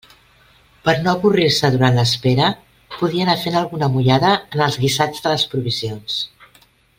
Per a no avorrir-se durant l'espera, podia anar fent alguna mullada en els guisats de les provisions.